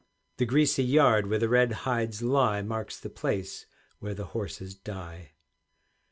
The greasy yard where the red hides lie Marks the place where the horses die.